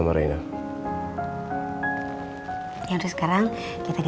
kalau saya nggak salah tangkap sih